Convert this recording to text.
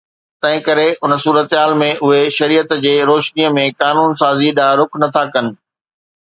تنهن ڪري ان صورتحال ۾ اهي شريعت جي روشنيءَ ۾ قانون سازي ڏانهن رخ نه ٿا ڪن